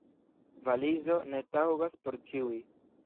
Valizo ne taŭgas por ĉiuj.